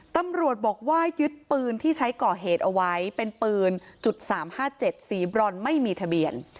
ตำรวจบอกว่ายึดปืนที่ใช้ก่อเหตุเอาไว้เป็นปืน๓๕๗สีบรอนไม่มีทะเบียน